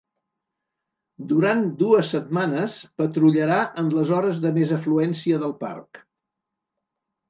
Durant dues setmanes patrullarà en les hores de més afluència del parc.